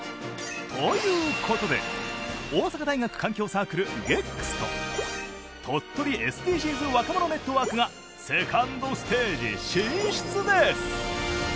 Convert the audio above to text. ということで大阪大学環境サークルＧＥＣＳととっとりＳＤＧｓ若者ネットワークがセカンドステージ進出です！